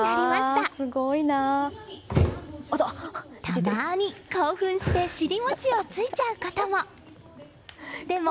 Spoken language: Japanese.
たまに興奮して尻餅をついちゃうことも。